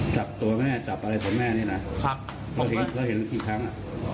จับตัวแม่จับอะไรตัวแม่นี่นะแล้วเห็นเมื่อที่ครั้ง